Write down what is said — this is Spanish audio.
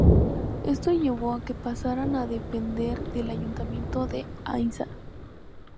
Esto llevó a que pasaran a depender del ayuntamiento de Aínsa.